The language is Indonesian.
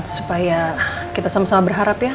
supaya kita sama sama berharap ya